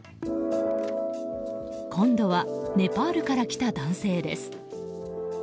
今度はネパールから来た男性です。